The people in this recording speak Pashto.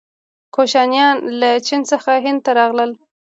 کوشانیان له چین څخه هند ته راغلل.